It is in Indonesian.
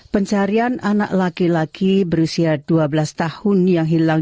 pencarian anak laki laki berusia dua belas tahun yang hilang